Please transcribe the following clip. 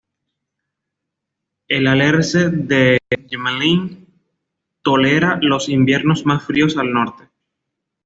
El alerce de Gmelin tolera los inviernos más fríos al norte.